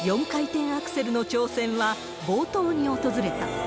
４回転アクセルの挑戦は冒頭に訪れた。